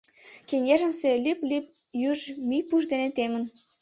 Кеҥежымсе лӱп-лӱп юж мӱй пуш дене темын.